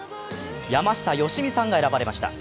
山下良美さんが選ばれました。